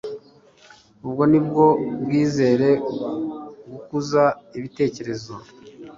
Ubwo nibwo kwizera gukuza ibitekerezo